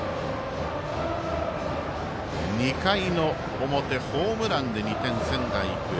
２回の表ホームランで先制、仙台育英。